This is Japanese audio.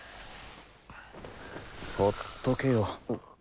ほっとけよ。